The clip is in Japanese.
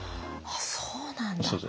あっそうなんだ。